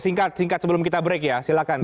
singkat singkat sebelum kita break ya silahkan